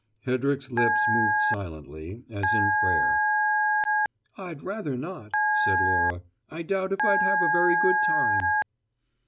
Hedrick's lips moved silently, as in prayer. "I'd rather not," said Laura. "I doubt if I'd have a very good time."